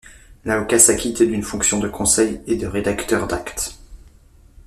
L'avocat s'acquitte d'une fonction de conseil et de rédacteur d'actes.